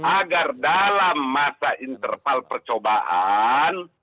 agar dalam masa interval percobaan